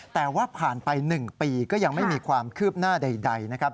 แต่ว่าผ่านไป๑ปีก็ยังไม่มีความคืบหน้าใดนะครับ